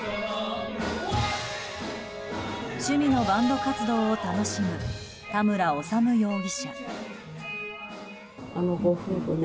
趣味のバンド活動を楽しむ田村修容疑者。